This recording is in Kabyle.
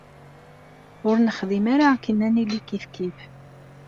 Ur nexdim ara akken ad nili kifkif.